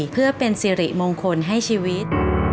เพื่อเป็นสิริมงคลให้ชีวิต